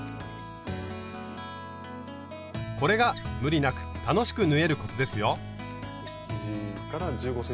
これが無理なく楽しく縫えるコツですよ！